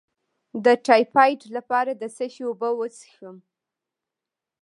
د ټایفایډ لپاره د څه شي اوبه وڅښم؟